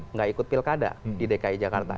nggak ikut pilkada di dki jakarta